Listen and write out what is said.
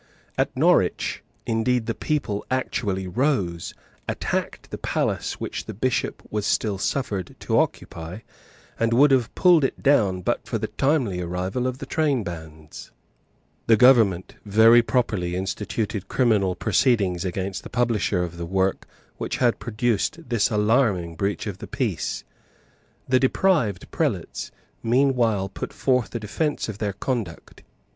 At Norwich indeed the people actually rose, attacked the palace which the Bishop was still suffered to occupy, and would have pulled it down but for the timely arrival of the trainbands, The government very properly instituted criminal proceedings against the publisher of the work which had produced this alarming breach of the peace, The deprived Prelates meanwhile put forth a defence of their conduct.